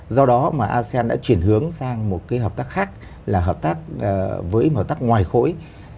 do đó mà asean đã chuyển hướng sang một cái hợp tác khác là hợp tác với hợp tác ngoài khối